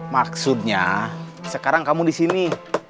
maksudnya sekarang kamu disini